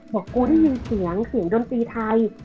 บอกกูได้ยินเสียงเสียงดนตรีไทย